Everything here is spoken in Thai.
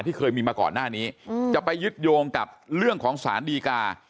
เคยมีมาก่อนหน้านี้จะไปยึดโยงกับเรื่องของสารดีกา